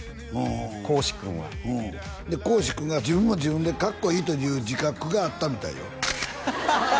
孝子君はで孝子君が自分も自分でかっこいいという自覚があったみたいよああ